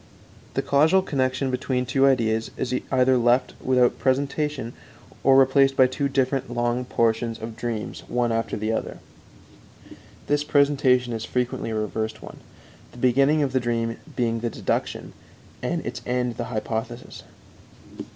The causal connection between two ideas is either left without presentation, or replaced by two different long portions of dreams one after the other. This presentation is frequently a reversed one, the beginning of the dream being the deduction, and its end the hypothesis.